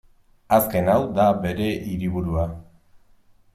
Azken hau da bere hiriburua.